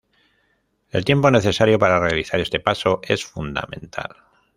El tiempo necesario para realizar este paso es fundamental.